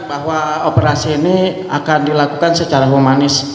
bahwa operasi ini akan dilakukan secara humanis